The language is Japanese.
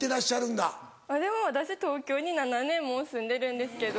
でも私東京に７年もう住んでるんですけど。